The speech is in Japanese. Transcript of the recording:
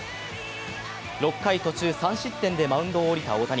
６回途中、３失点でマウンドを降りた大谷。